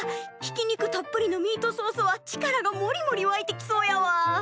ひき肉たっぷりのミートソースは力がもりもりわいてきそうやわ。